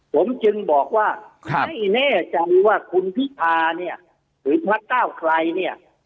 ผมถึงบอกว่าไม่น่าว่าคุณพิทาเนี่ยหรือพระเก้าใครเนี่ย